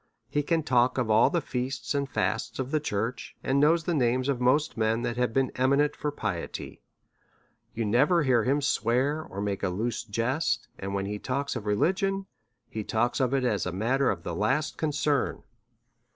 He can talk of all the feasts and fasts of the church, and knows the names of most men that have been eminent for piety. You never hear him swear, or make a loose jest; and when he talks of religion, he talks of it as of a matter of the last concern.